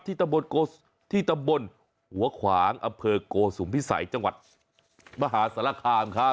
ที่ตะบนหัวขวางอเผิกโกสุภิษัยจังหวัดมหาศาลคาบครับ